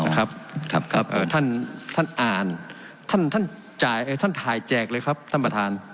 อ๋อครับครับครับครับท่านอ่านท่านจ่ายท่านถ่ายแจกเลยครับท่านประธาน